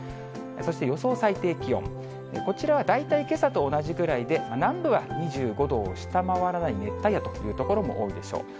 そして予想最低気温、こちらは大体けさと同じぐらいで、南部は２５度を下回らない熱帯夜という所も多いでしょう。